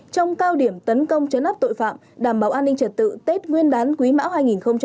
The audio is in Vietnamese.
trong cao điểm tấn công chấn áp tội phạm đảm bảo an ninh trật tự tết nguyên đán quý mão hai nghìn hai mươi bốn